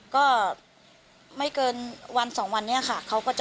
ก็ไม่เกินวันสองวันนี้ค่ะ